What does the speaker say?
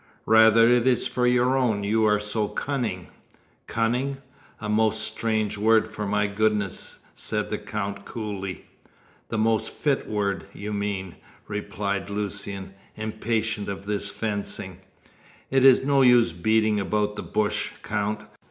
"Rather it is for your own you are so cunning." "Cunning! A most strange word for my goodness," said the Count coolly. "The most fit word, you mean," replied Lucian, impatient of this fencing. "It is no use beating about the bush, Count.